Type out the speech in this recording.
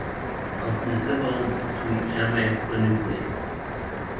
Elles ne seront ensuite jamais renouvelées.